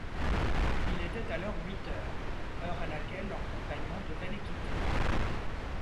Il était alors huit heures, — heure à laquelle leur compagnon devait les quitter.